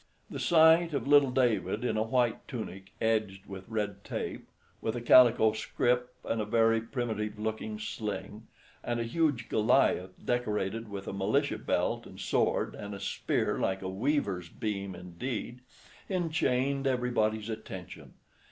The sight of little David in a white tunic edged with red tape, with a calico scrip and a very primitive looking sling; and a huge Goliath decorated with a militia belt and sword, and a spear like a weaver's beam indeed, enchained everybody's attention.